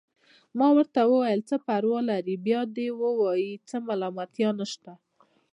ما ورته وویل: څه پروا لري، بیا دې ووايي، څه ملامتیا نشته.